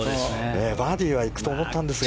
バーディーは行くと思ったんですが。